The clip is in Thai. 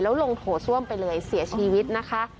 แล้วลงโถส้วมไปเลยเสียชีวิตนะคะ